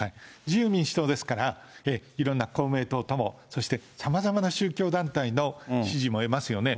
自由民主党ですから、いろんな公明党とも、そしてさまざまな宗教団体の支持も得ますよね。